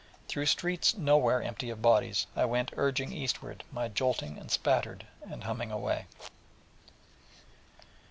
And through streets nowhere empty of bodies I went urging eastward my jolting, and spattered, and humming way.